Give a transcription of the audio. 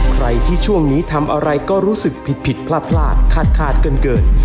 ใครที่ช่วงนี้ทำอะไรก็รู้สึกผิดพลาดคาดกันเกิน